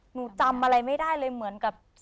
หนูจำอะไรไม่ได้เลยเหมือนกับ